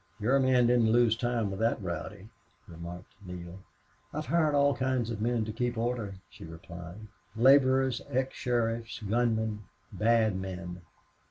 "Your men didn't lose time with that rowdy," remarked Neale. "I've hired all kinds of men to keep order," she replied. "Laborers, ex sheriffs, gunmen, bad men.